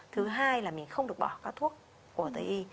thứ hai là mình không được bỏ các thuốc của tây y